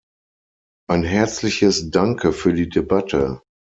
Ein herzliches Danke für die Debatte!